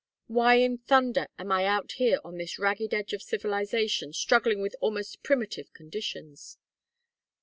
Why in thunder am I out here on this ragged edge of civilization struggling with almost primitive conditions?